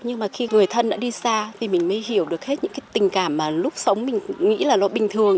nhưng mà khi người thân đã đi xa thì mình mới hiểu được hết những cái tình cảm mà lúc sống mình nghĩ là nó bình thường